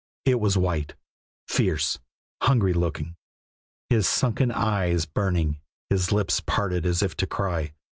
It was white, fierce, hungry looking, his sunken eyes burning, his lips parted as if to cry.